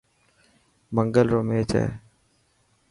منگل رو ميچ هي.